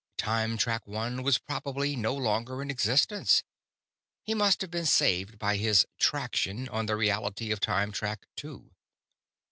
Time Track One was probably no longer in existence. He must have been saved by his "traction" on the reality of Time Track Two.